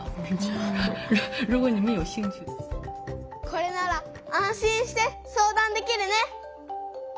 これなら安心して相談できるね！